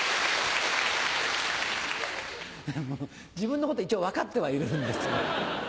自分のこと一応分かってはいるんですね。